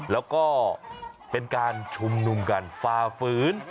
แล้วก็เป็นการชุมนุมกันฝ่าฝืน